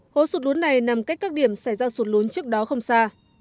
hố sụt lún này nằm cách các điểm xảy ra sụt lún trước đó không xa